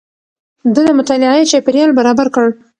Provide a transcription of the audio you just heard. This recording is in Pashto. ده د مطالعې چاپېريال برابر کړ.